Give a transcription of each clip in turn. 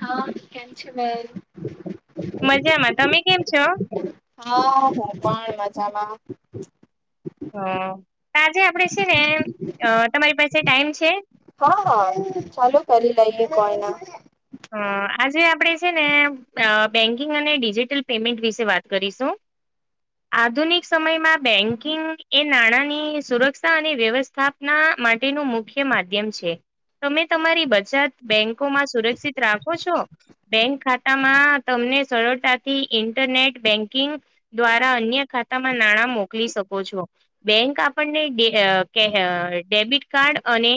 હા કેમ છો બેન મજામાં તમે કેમ છો હા હું પણ મજામાં. હ આજે આપડે છે ને અ તમારી પાસે ટાઈમ છે હા હા ચાલો કરી લઈએ કાઈના હ આ આજે આપણે છે ને અ બેન્કિંગ અને ડિજિટલ પેમેન્ટ વિશે વાત કરીશું આધુનિક સમયમાં બેંકિંગ એ નાણાંની સુરક્ષા અને વ્યવસ્થાપના માટેનું મુખ્ય માધ્યમ છે તમે તમારી બચત બેંકોમાં સુરક્ષિત રાખો છો બેંક ખાતા માં તમને સરળતા થી ઇન્ટરનેટ બેન્કિંગ દ્વારા અન્ય ખાતામાં નાણાં મોકલી શકો છો બેંક આપણને કે ડેબિટ કાર્ડ અને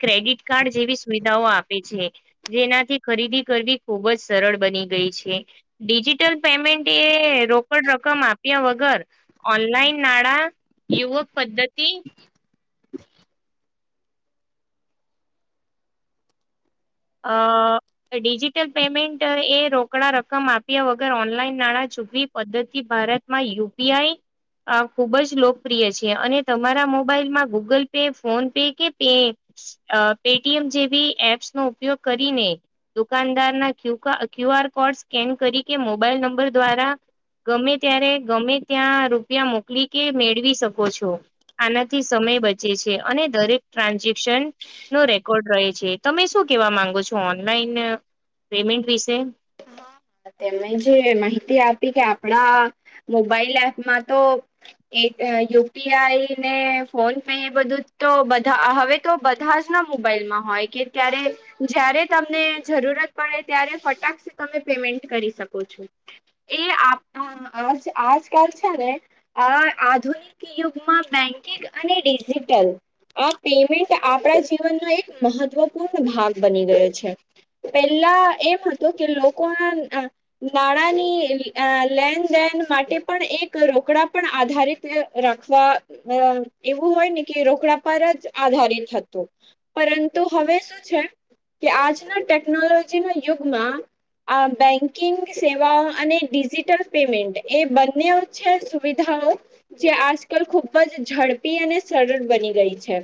ક્રેડિટ કાર્ડ જેવી સુવિધાઓ આપે છે. જેનાથી ખરીદી કરવી ખુબ જ સરળ બની ગઈ છે ડિજિટલ પેમેન્ટ એ રોકડ રકમ આપ્યા વગર ઓનલાઈન નાણા યુવક પદ્ધતિ આ ડિજિટલ પેમેન્ટ એ રોકડા રકમ આપ્યા વગર ઓનલાઈન નાણાં ચૂકવી પદ્ધતિથી ભારતમાં યુપીઆઈ આ ખૂબ જ લોકપ્રિય છે અને તમારા મોબાઈલમાં ગૂગલ પે ફોન પે કે પે પેટીએમ જેવી એપ્સ નો ઉપયોગ કરીને દુકાનદાર ના ક્યુઆર કોડ સ્કેન કરી કે મોબાઈલ નંબર દ્વારા ગમે ત્યારે ગમે ત્યાં રૂપિયા મોકલી કે મેળવી શકો છો આનાથી સમ બચે છે અને દરેક ટ્રાન્ઝેક્શન નો રેકોર્ડ રહે છે તમે શું કેવા માંગો છો ઓનલાઈન પેમેન્ટ વિશે તેમણે જે માહિતી આપી કે આપણા મોબાઈલ એપ માં તો યુપીઆઈ ને ફોન પે એ બધું તો બધા હવે તો બધા જ ના મોબાઈલ ત્યારે જ્યારે તમને જરૂરત પડે ત્યારે ફટક તમે પેમેન્ટ કરી શકો છો એ આજકાલ છે ને આ આધુનિક યુગમાં બેન્કિંગ અને ડિજીિટલ આ પેમેન્ટ આપણા જીવનનો એક મહત્વપૂર્ણ ભાગ બની ગયો છે. પેલા એમ હતું કે ના નાણાંની લેન દેન માટે પણ એક રોકડા પણ આધારિત રાખવા એવું હોય ને કે રોકડા પર જ આધારિત હતું. પરંતુ હવે શું છે કે આજના ટેકનોલોજીના યુગમાં આ બેન્કિંગ સેવાઓ અને ડિજીિટલ પેમેન્ટ એ બંને છે સુવિધાઓ જે આજકાલ ખૂબ જ ઝડપી અને સરળ બની ગઈ છે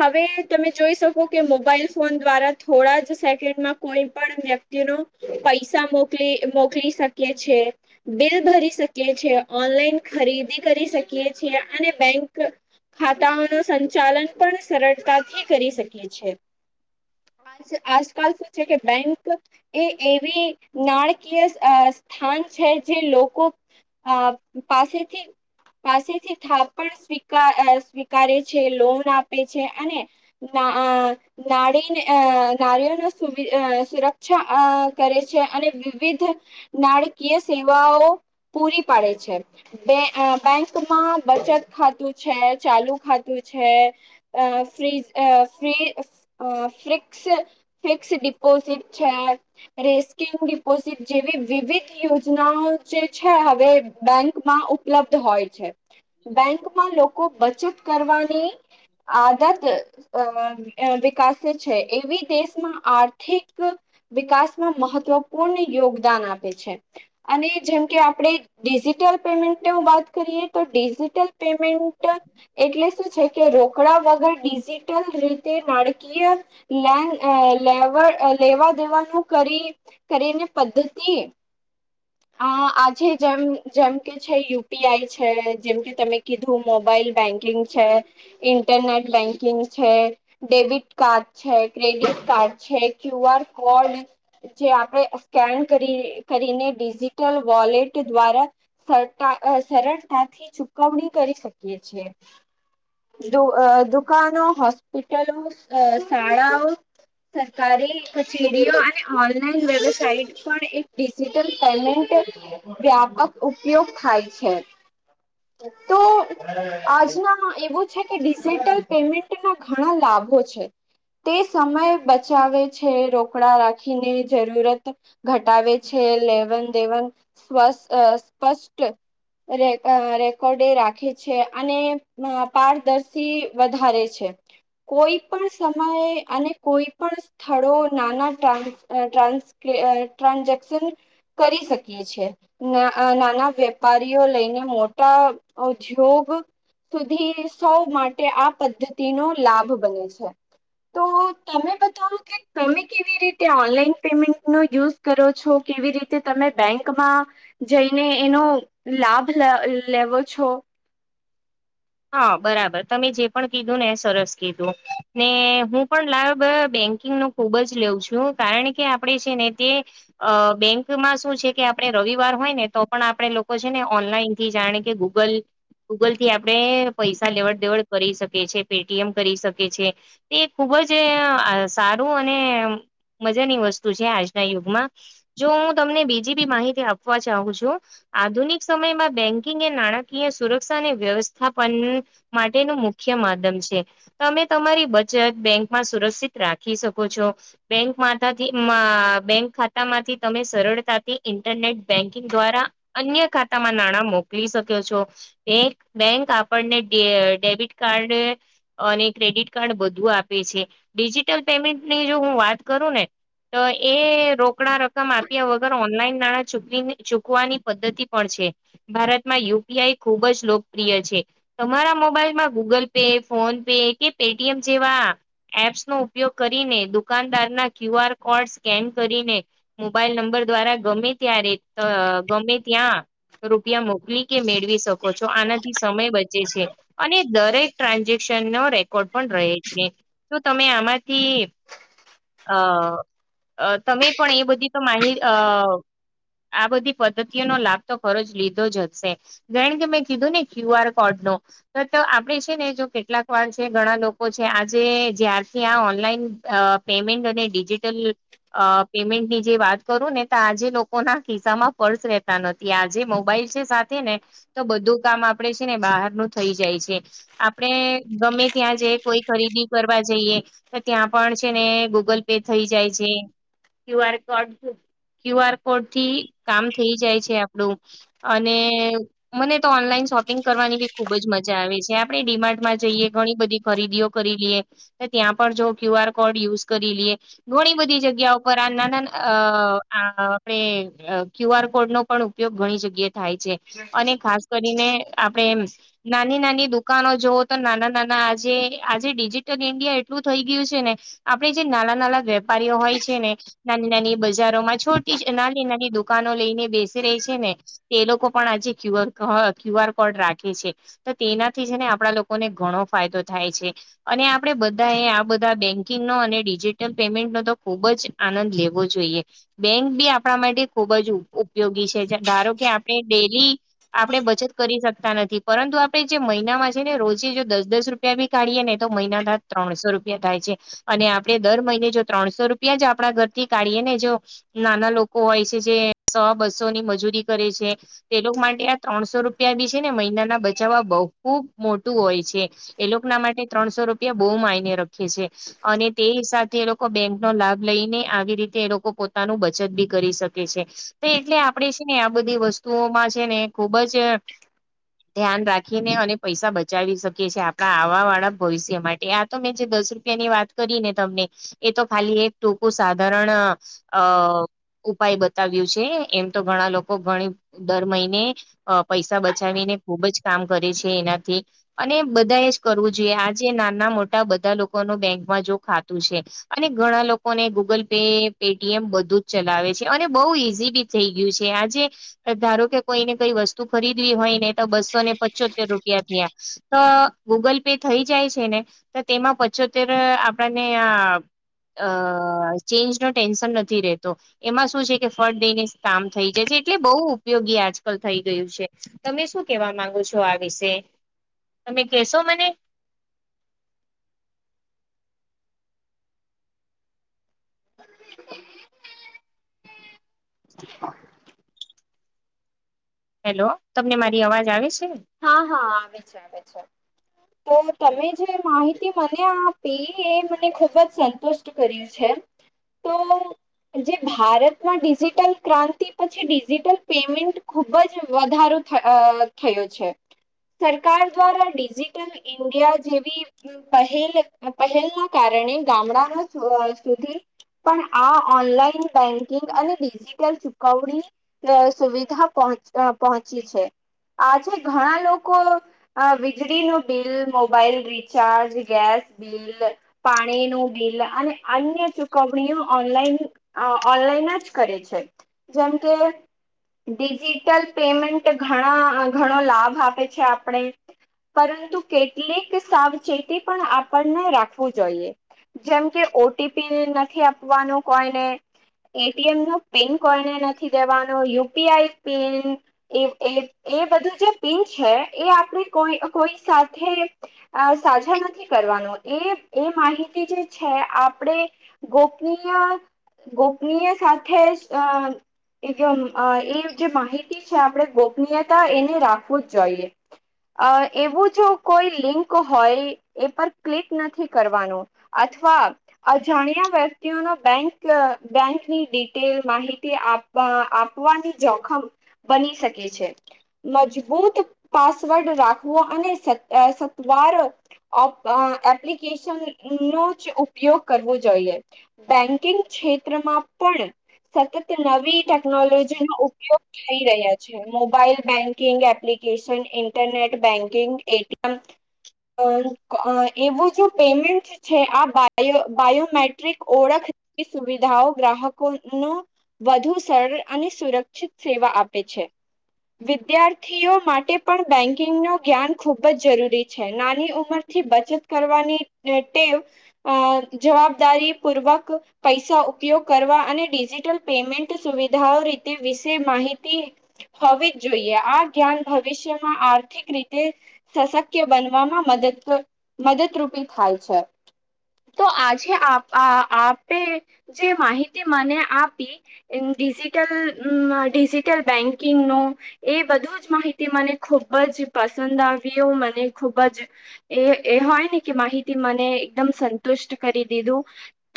હવે તમે જોઈ શકો કે મોબાઈલ ફોન દ્વારા થોડા જ સેકન્ડમાં કોઈ પણ વ્યક્તિ ન પૈસા મોકલી મોકલી શકીએ છે બિલ ભરી શકીએ છે ઓનલાઈન ખરીદી કરી શકીએ છીએ અને બેંક ખાતાઓનું સંચાલન પણ સરળતાથી કરી શકે છે આજકાલ શું છે કે બેંક એ એ એ નાણાકીય સ્થાન છે જે લોકો આ પાસેથી પાસેથી થાપ પણ સ્વી સ્વીકારે છે લોન આપે છે અને નાળ નારીઓનો સુરક્ષા કરે છે અને વિવિધ નાણાકીય સેવાઓ પૂરી પાડે છે બેંકમાં બચત ખાતું છે ચાલુ ખાતું છે ફ્રી ફિક ફિક્ દિપોઝિટ છે રેસ્કિંગ ડિપોઝિટ જેવી વિવિધ યોજનાઓ જે છે હવે બેંકમાં ઉપલબ્ધ હોય છે બેંકમાં લોકો બચત કરવાની આદત અ વિકસે છે એવી દેશમાં આર્થિક વિકાસ મહત્વપૂર્ણ યોગદાન આપે છે અને જેમ કે આપણે ડિજિટલ પેમેન્ટ વાત કરીએ તો ડિજિટલ પેમેન્ટ એટલે શું છે કે રોકડા વગર ડિજિટલ રીતે નાણાકીય લે લે લેવા દેવાનું કરી કરીને પદ્ધતિ હ આજે જેમ જેમ કે છે યુપીઆઈ છે જેમકે તમે કીધું મોબાઈલ મોબાઈલ બેંકિંગ છે ઇન્ટરનેટ બેંકિંગ છે ડેબિટ કાર્ડ છે ક્રેડિટ કાર્ડ છે ક્યુ આર કોડ જે આપણે સ્કેન કરી કરીને ડિજિટલ વોલેટ દ્વારા સરતા સરળતાથી ચુકવણી કરી શકીએી દુકાનો હોસ્પિટલો શાળાઓ સરકારી કચેરીઓ ઓનલાઈન વેબસાઇટ પણ એક ડિજિટલ પેમેન્ટ વ્યાપક ઉપયોગ થાય છે તો આજના એવું છે કે ડિજિટલ પેમેન્ટ ના ઘણા લાભ છે તે સમય બચાવે છે રોકડા રાખે રાખીને જરૂરત ઘટાવે છે લેવન દેવન સ્ સ્પષ્ટ રેકોર્ડે રાખે છે અને પારદર્શી વધારે છે કોઈ પણ સમયે અને કોઈ પણ સ્થળો નાના ટ ટ્રસ ટ્રાન્ઝક્શન કરી શકીએ છેએ ના નાના વેપારીઓ લઈને મોટા ઉદ્યોગ સુધી સૌ માટે આ પદ્ધતિનોો લાભ બને છે તો તમે બતાવો કે તમે કેવી રીતે એ ઓનલાઈન પેમેન્ટ ન યુઝ કરો છો કેવી રીતે તમે બેંકમાં જઈને એનો લાભ લેવો છો હા બરાબર તમે જે પણ કીધું ને એ સરસ કીધું ને હું પણ લાભ બે ખૂબ જ લઉં છું કારણ કે આપણે છે ને તે બેંકમાં શું છે કે આપ રવિવાર હોય ને તો પણ આપે લોકો છે ને ઓનલાઈન થી જાણે કે ગૂગલ ગૂગલ થી આપ આપણે પૈસા લેવડ દેવડ કરી શકીએ છે પેટીએમ કરી શકે છે તે ખુબ જ આ સારું અને મજાની વસ્તુ છે આજના યુગમાં જો હું તમને બીજી બી માહિતી આપવા ચહું છું આધુનિક સમયમાં બેન્કિંગ એ નાણાકીય સુરક્ષાને વ્યવસતા થાપન માટેનું મુખ્ય માધમ છે તમે તમારી બચત બેંકમાં સુરક્ષિત રાખી શકો છો બેંક માથી બેંક ખાતા માંથી તમે સરળતાથી ઇન્ટરનેટ બેન્કિંગ દ્વારા અન્ય ખાતામાં નાણાં મોકલી શક્યો છો એક બેંક આપણને ડેબિટ કાર્ડ અને ક્રેડિટ કાર્ડ બધું આપે છે ડિજિટલ પેમેન્ટની જો હું વાત કરું ને તો એ રોકડા રકમ આપ્યા વગર ઓનલાઈન નાણાં ચૂકવી ચૂકવાની પદ્ધતિ પણ છે. ભારતમાં યુ પી આઈ ખુબ જ લોક પ્રિય છે તમારા મોબાઈલમાં ગૂગલ પે ફોન પે કે પે ટી એમ જેવા એપ્સ નો ઉપયોગ કરીને દુકાનદાર ના ક્યુ આર કોડ સ્કેન કરીને મોબાઈલ નંબર દ્વારા ગમે ત્યારે ગમે ત્યાં રૂપિયા મોકલી કે મે કરી શકો છો આનાથી સમય બચે છે અને દરેક ટ્રાન્ઝેક્શનનો રેકોર્ડ પણ રહે છે તો તમે આમાંથી અ તમે પણ એ બધી તો માહિત અ આ બધી પદ્ધતિઓ નો લાભ તો ખરોજ લીધો જ હશે જાણ કે મેં કીધું ને ક્યુ આર કોડ નો તો આપે છે ને જો કેટલાક વાર છે ઘણા લોકો છે આજે જાર કે ઓનલાઈન પેમેન્ટ અને ડિજિટલ પેમેન્ટની જે વાત કરું ને તો આ આજે લોકો ના ખિસ્સા માં પર્સ રેતા નથી આજે મોબાઈલ છે સાથે ને તો બધું કામ આપડે છે ને બહાર નું થઈ જાય છે આપણેે ગમે ત્યાં જઈ કોઈ ખરીદી કરવા જઈએ. તો ત્યાં પણ છે ને ગૂગલ પે થઈ જાય છે Q R code Q R code થી કામ થઈ જાય છે આપડું અને મને તો ઓનલાઈન શોપિંગ કરવાની બી ખુબ જ મજા આવે છે આપણે ડિમાર્ટમાં જઈએ ઘણી બધી ખરીદીઓ કરી લઈએ ત્યાં ક્યુ આર કોડ યુઝ કરી લએ ઘણી બધી જગ્યા પર આ ના ના આપણે ક્યુ આર કોડ નો પણ ઉપયોગ ઘણી જગ્યાએ થાય છે અને ખાસ કરીને આપણે એમ નાની નાની દુકાનો જવ તો નાના નાના આજે આજે ડિજિટલ ઇન્ડિયા એટલું થ ગયું છે ને આપણે જે નાના નાના વેપારીઓ હોય છે ને નાની ના બ બજારોમાં છોટી નાની નાની દુ દુકાનો લઈને બેસી રેહ છે ને તે એ લોકો પણ આજેુ ક્યુ આર પણ રાખે છે તો તેનાથી છે ને આપણા લોકોને ઘણો ફાયદો થાય છે અને આપણે બધા ને આ બધા બેંકિંગ અનો અને ડીજિટલ પેમેન્ટ નો તો ખુબ જ આનંદ લેવો જોઈએ બેક બી આપણા માટે ખુબ જ ઉપયોગી છે ધારો કે આપણે ડેલી આપણે બચત કરી શકતા નથી પરંતુ આપણે જે મહિનામાં છે ને રોજે જો દસ દસ રૂપિયા ભી કાઢીએ ને તો મહિના દ ત્રણસો રૂપિયા થાય છે અને આપડે દર મહિને જો ત્રણસો રૂપિયા જ આપણા ઘરથી કાઢીએ ને જો નાના લોકો હોય છે જે સો બસો ની મજૂરી કરે છે તે લોકો માટે આ ત્રણસો રૂપ રૂ બી છે ને મહિનાના બચાવવા બહુ ખુબ મોટું હોય છે એ લોકો ના માટે ત્રણસો રૂપિયા બહુ [unintelligible] છે અને તેસા એ લોકો બેંક નો લાભ લઈને આવી રીતે એ લોકો પોતાનું બચત બી કરી શકે છે તો એટલે આપણેે છે ને આ બધી વસ્તુઓમાં છે ને ખૂબ જ ધ્યાન રાખીને અને પૈસા બચાવી શકીએ છીએ આપણા આવા વાળા ભવિષ્ય માટે આ તો મેં જે દસ રૂપિયાની વાત કરી ને તમને એ તો ખાલી એક ટૂંકું સાધારણ અ ઉપાય બતાવ્યું છે એમ તો ઘણા લોકો ઘણી દર મહિને પૈસા બચાવીને ખુબ જ કામ કરે છે એનાથી અને બધા એ જ કરવું જોઈએ આ જે નાના મોટા બધા લોકો ન બેંકમાં જો ખાતું છે અને ઘણા લોકોને Google pay Paytm બધું જ ચલાવે છે અને બહુ ઈઝી બી થઈ ગયું છે આજે ધારો કે કોઈ ને કઈ વસ્તુ તું ખરીદવી હોય ને તો બસો ને પચોતેર રૂપિયા થીયા તો ગૂગલ પે થઈ જાય છે ને તો તેમાં પચોતેર આપણને આ અ ચેન્જ નો ટેન્શન નથી રતો એમાં શું છે કે ફળ દઈને કામ થઈ જાય છે. એટલે બહુ ઉપયોગી આજકાલ થઈ ગયું છે તમે શું કેવા માંગો છો આ વિશે તમે કેશો મને હેલો તમને મારી અવાજ આવે છે. હા હા આવે છે આવે છે. તો તમે જે માહિતી મને આપી એ મને ખુબ જ સંતુષ્ટ કરી છે. તો જે ભારતમાં ડિજિટલ ક્રાંતિ પછી ડિજિટલ પેમેન્ટ ખુબ જ વધારો લખેલું છે. સરકાર દ્વારા ડિજિટલ ઇન્ડિયા જેવી પહેલ પહેલ ના કારણે હે ગામડા ના થોડા વર્ષ સુધી પણ આ ઓનલાઈન બેંકિંગ અને ડિજીિટલ ચુકવણી સુવિધા પણ પ પહોંચી છે, આ છે. ઘણા લોકો આ વીજળી ન bill mobile recharge gas bill પાણી બિલ અને અન્ય ચુકવણીઓ ઓનલાઇન ઓનલાઈન જ કરવી [unintelligible] જેમ કે, ડિજિટલ પેમેન્ટ ગણા ઘના ઘના નો લાભ આપે છે, આપણે પરંતુ કેટલીક સાવચેતી પણ આપણને રાખવું જોઈએ. જેમ કે ઓટીપી નથી, આપવાનું કોઈને એટીએમ ન પિન કોઈને નથી દેવાનો યુપીઆઈ પિન એ બધું પિન છે એ આપણે કોઈ સાથે સાજા નથી કરવાનું એ એ એ માહિતી જે છે આપણે ગોપનીય ગોપનીય સાથે અ એકદમ એ જે માહિતી છે, આપણે ગોપનીયતા એને રાખવું જ જોઈએ. અ એવું જો કોઈ લિંક હોય એ પર ક્લિક નથી કરવાનું. અથવા અજાણ્યા વ્યક્તિઓના બેંક બેંકની તે માહિતી આપવા આપવાની જોખમ બની શકે છે મજ પાસવર્ડ રાખવો, અને સત્વાર [unintelligible] એપ્લિકેશન [unintelligible] નો જ ઉપયોગ કરવો જોઈએ, બેન્કિંગ ક્ષેત્રમાં પણ સતત નવી ટેકનોલોજી નો ઉપયોગ થઈ રહ્યા છે, mobile banking app application internet banking ATM એવું જો પેમેન્ટ છે, આ બાયો બાયોમેટ્રિક ઓળખ સુવિધાઓ ગ્રાહકો ન વધુ સરળ અને સુરક્ષિત સેવા આપે છે. છે વિદ્યાર્થી થીઓ માટે પણ બેન્કિંગનું જ્ઞાન ખુબ જ જરૂરી છે, નાની ઉંમરથી બચત કરવા ની ટેવ જવાબદારી પૂર્વક પૈસા ઉપયોગ કરવા અને ડિજિટલ પેમેન્ટ સુવિધાઓ રીતે વિશે માહિતી હોવી જ જોઈએ, આ જ્ઞાન ભવિષ્યમાં આર્થિક રીતે સશક્ય બનવામાં મદદ મદદરૂપી થાય છે. તો આજે આપે જે માહિતી મને આપી તેમ ડિજિટલ ડિજિટલ બેંકિંગનું એ બધું જ માહિતી મને ખૂબ જ પસંદ આવ્યો, મને ખૂબ જ‌ એ એ હોય ને કે અહીંથી ને એક સંતુષ્ટ કરી દીધું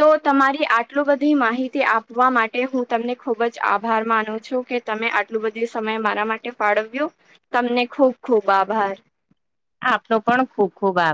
તો તમારી આટલું બધી માહિતી આપ માટે હું તમને ખુબ જ આભાર માનું છું, કે તમે આટલું બધી સમય મારા માટે ફાળવી તમને ખુબ ખુબ આભાર. આપનો પણ ખુબ ખુબ આભાર.